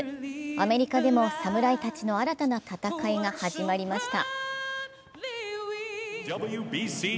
アメリカでも侍たちの新たな戦いが始まりました。